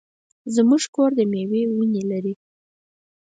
زمونږ کور د مېوې ونې لري.